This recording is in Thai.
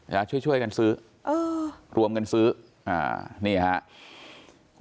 อยากช่วยกันซื้อรวมกันซื้อนี่เลยค่ะ